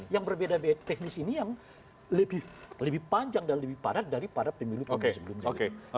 yang berbeda beda teknis ini yang lebih panjang dan lebih padat daripada pemilu pemilu sebelumnya